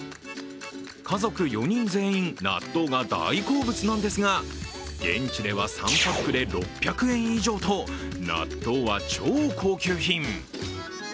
家族４人全員納豆が大好物なんですが現地では３パックで６００円以上と納豆は超高級品。